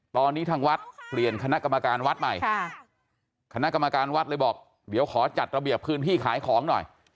ตอนนี้ทางวัดเปลี่ยนคณะกรรมการวัดใหม่คณะกรรมการวัดเลยบอกเดี๋ยวขอจัดระเบียบพื้นที่ขายของหน่อย